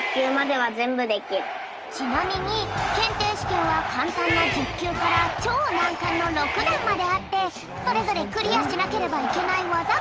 ちなみにけんていしけんはかんたんな１０きゅうからちょうなんかんの６だんまであってそれぞれクリアしなければいけないわざがあるんだよ。